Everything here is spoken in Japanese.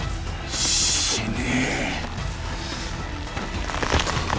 死ね！